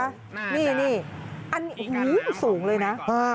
นี่อันนี้สูงเลยนะ